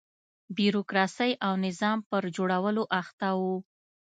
بیروکراسۍ او نظام پر جوړولو اخته و.